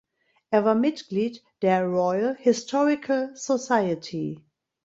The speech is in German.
Er war Mitglied der Royal Historical Society.